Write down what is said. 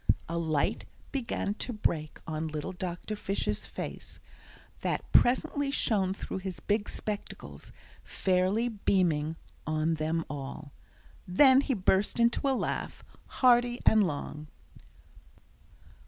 A light began to break on little Dr. Fisher's face, that presently shone through his big spectacles, fairly beaming on them all. Then he burst into a laugh, hearty and long.